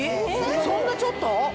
そんなちょっと？